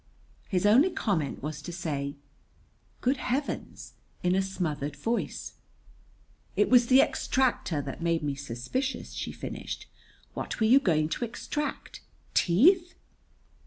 His only comment was to say, "Good Heavens!" in a smothered voice. "It was the extractor that made me suspicious," she finished. "What were you going to extract? Teeth?"